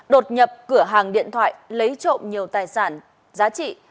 đột nhập cửa hàng điện thoại lấy trộm nhiều tài sản giá trị